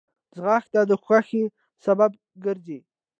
ځغاسته د خوښۍ سبب ګرځي